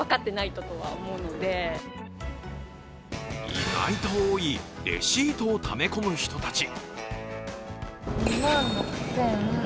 意外と多いレシートをため込む人たち。